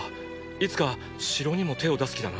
いつか城にも手を出す気だな？